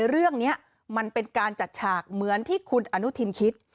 เรื่องนี้มันเป็นการจัดฉากเหมือนที่คุณอนุทินคิด